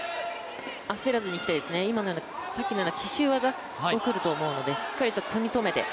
焦らずにいきたいですね、奇襲技がくると思うのでしっかりと組み決めて。